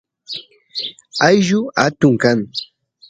ayllu atun kan